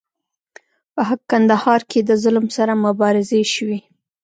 په کندهار کې د ظلم سره مبارزې شوي.